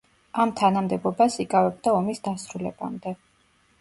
ამ თანამდებობას იკავებდა ომის დასრულებამდე.